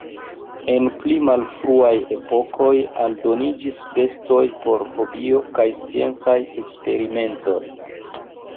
En pli malfruaj epokoj aldoniĝis bestoj por hobio kaj sciencaj eksperimentoj.